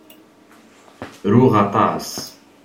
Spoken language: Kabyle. Ruɣ aṭas.